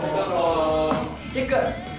チェック。